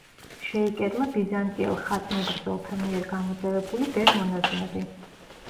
შეიკედლა ბიზანტიელ ხატმებრძოლთა მიერ გამოძევებული ბერ-მონაზვნები.